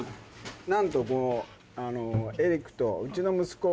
なんとエリックとうちの息子。